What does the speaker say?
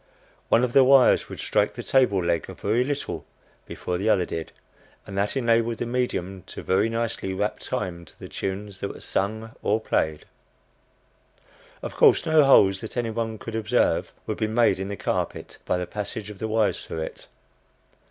One of the wires would strike the table leg a very little before the other did, and that enabled the "medium" to very nicely rap time to the tunes that were sung or played. Of course, no holes that any one could observe would be made in the carpet by the passage of the wires through it.